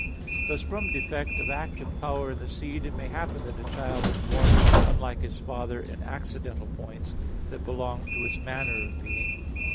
Thus from defect of active power in the seed it may happen that a child is born unlike its father in accidental points, that belong to its manner of being.